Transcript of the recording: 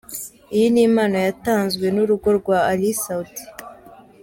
Iyi ni impano yatanzwe n'urugo rwa Ally Soudy.